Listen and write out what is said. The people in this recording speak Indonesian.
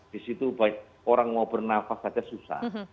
di situ orang mau bernafas saja susah